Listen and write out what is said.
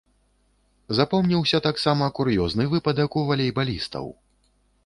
Запомніўся таксама кур'ёзны выпадак у валейбалістаў.